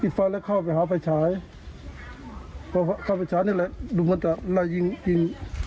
ไฟแล้วเข้าไปหาไฟฉายพอเข้าไปฉายนี่แหละดูมันจะไล่ยิงยิง